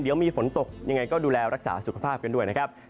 เดี๋ยวมีฝนตกยังไงก็ดูแลรักษาสุขภาพกันด้วยนะครับ